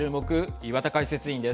岩田解説委員です。